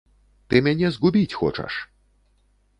Ты мяне згубіць хочаш!